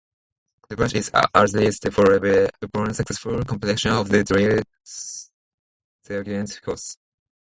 The badge is authorized for wear upon successful completion of the Drill Sergeant Course.